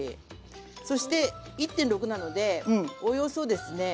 そして１．６なのでおよそですね